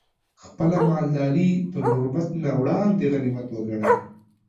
خپله مالداري تر غربت نه وړاندې غنيمت وګڼه